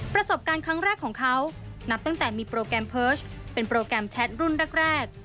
ประสบการณ์ครั้งแรกของเขานับตั้งแต่มีโปรแกรมเพิร์ชเป็นโปรแกรมแชทรุ่นแรก